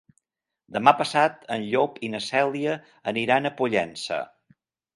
Demà passat en Llop i na Cèlia aniran a Pollença.